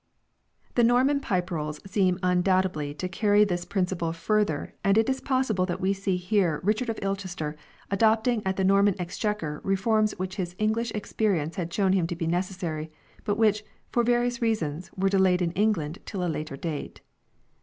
2 The Norman Pipe Rolls seem undoubtedly to carry this principle further and it is possible that we see here Richard of Ilchester adopting at the Norman Exchequer reforms which his English experience had shown him to be necessary, but which, for various reasons, were delayed in England till a later date.